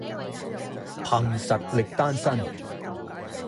憑實力單身